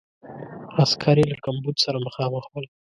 عسکر یې له کمبود سره مخامخ ول.